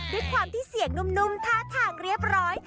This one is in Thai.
ด้วยความที่เสียงนุ่มท่าทางเรียบร้อย